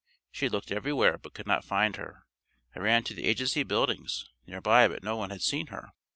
She had looked everywhere but could not find her. I ran to the agency buildings nearby, but no one had seen her.